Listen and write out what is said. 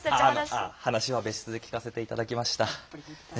あっ話は別室で聞かせて頂きました。